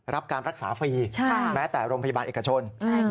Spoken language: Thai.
รับการรักษาฟรีแม้แต่โรงพยาบาลเอกชน